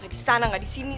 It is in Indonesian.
gak disana gak disini